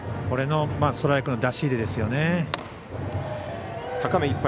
これのストライクの出し入れですよね。